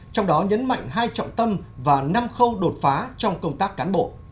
trong đó nhấn mạnh hai trọng tâm và năm khâu đột phá trong công tác cán bộ